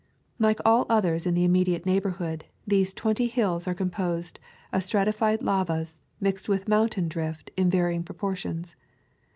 Like all others in the immediate neighbor hood, these twenty hills are composed of strati fied lavas mixed with mountain drift in vary ing proportions.